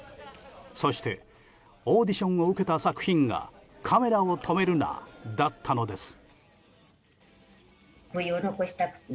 そしてオーディションを受けた作品が「カメラを止めるな！」だったのです。